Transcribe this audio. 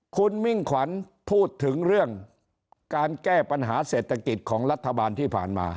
คุณมิ่งขวัญพูดถึงเรื่องการแก้ปัญหาเศรษฐกิจของรัฐบาลที่ผ่านมา